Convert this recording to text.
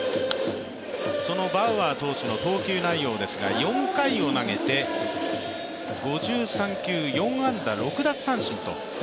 そのバウアー投手の投球内容ですが、４回を投げて５３球４安打６奪三振という。